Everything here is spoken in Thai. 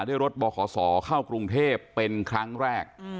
ด้วยรถบขศเข้ากรุงเทพเป็นครั้งแรก